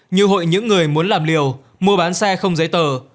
như hội những người muốn làm liều mua bán xe không giấy tờ